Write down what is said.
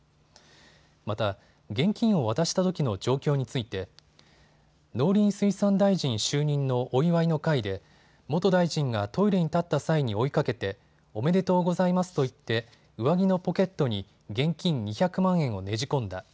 また、現金を渡したときの状況について、農林水産大臣就任のお祝いの会で元大臣がトイレに立った際に追いかけておめでとうございますと言って上着のポケットに現金２００万円をねじ込んだ。